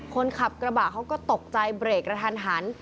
คนขับกระบะเขาก็ตกใจเบรกกระทันหัน